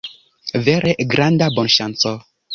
Vere granda bonŝanco.